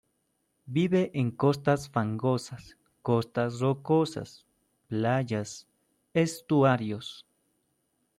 Vive en costas fangosas, costas rocosas, playas, estuarios.